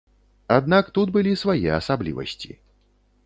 Аднак тут былі свае асаблівасці.